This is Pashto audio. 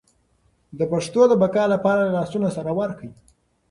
د پښتو د بقا لپاره لاسونه سره ورکړئ.